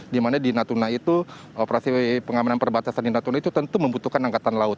dimana di natuna itu operasi pengamanan perbatasan di natuna itu tentu membutuhkan angkatan laut